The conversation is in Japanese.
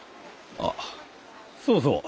あそうそう。